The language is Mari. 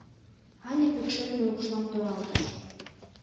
Аня пӱкшерме укшлам торалтыш.